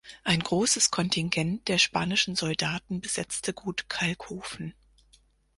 Ein großes Kontingent der spanischen Soldaten besetzte Gut Kalkofen.